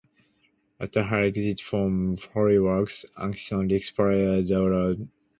After her exit from "Hollyoaks", Atkinson reprised the role twice in two spin-off series.